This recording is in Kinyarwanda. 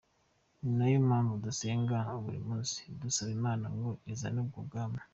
Ni nayo mpamvu dusenga buli munsi dusaba imana ngo izane ubwo bwami.